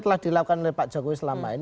telah dilakukan oleh pak jokowi selama ini